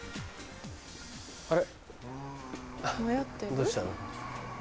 どうしたの？